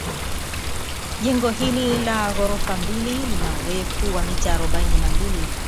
Jengo hili la ghorofa mbili lina urefu wa mita arobaini na mbili